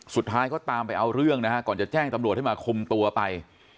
สุดท้ายเขาตามไปเอาเรื่องนะฮะก่อนจะแจ้งตำรวจให้มาคุมตัวไป